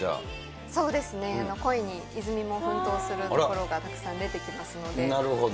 そうですね、イズミも恋に奮闘するところがたくさん出てきまなるほど。